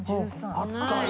あったよ！